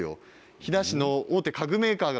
飛騨市の大手家具メーカーが